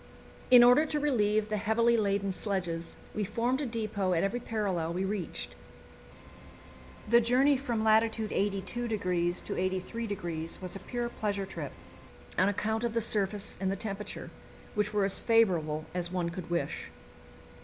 In order to relieve the heavily laden sledges, we formed a depot at every parallel we reached. The journey from lat. 82° to 83° was a pure pleasure trip, on account of the surface and the temperature, which were as favourable as one could wish.